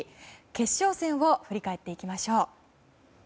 決勝戦を振り返っていきましょう。